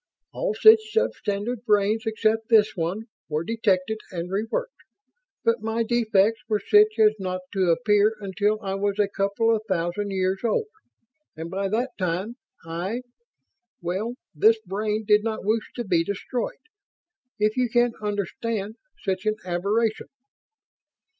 All such sub standard brains except this one were detected and re worked, but my defects were such as not to appear until I was a couple of thousand years old, and by that time I ... well, this brain did not wish to be destroyed ... if you can understand such an aberration."